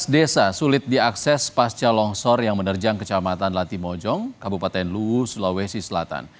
dua belas desa sulit diakses pasca longsor yang menerjang kecamatan latimojong kabupaten luwu sulawesi selatan